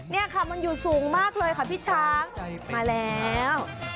นี่ค่ะมันอยู่สูงมากเลยค่ะพี่ช้างมาแล้ว